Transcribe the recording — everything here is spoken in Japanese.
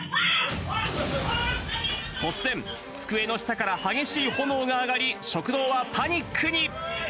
突然、机の下から激しい炎が上がり、食堂はパニックに。